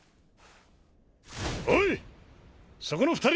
おいそこの二人！